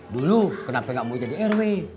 dulu kenapa gak mau jadi rw